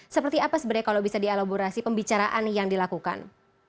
seperti apa sebenarnya kalau bisa dialaborasi pembicaraan yang dilakukan